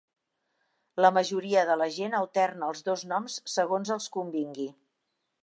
La majoria de la gent alterna els dos noms segons els convingui.